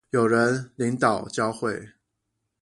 有人領導教會